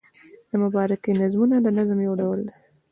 د مبارکۍ نظمونه د نظم یو ډول دﺉ.